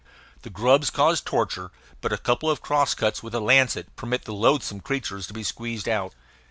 The grubs cause torture; but a couple of cross cuts with a lancet permit the loathsome creatures to be squeezed out.